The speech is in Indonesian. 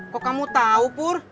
kok kamu tau pur